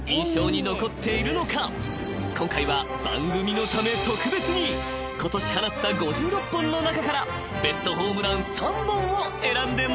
［今回は番組のため特別にことし放った５６本の中からベストホームラン３本を選んでもらいました］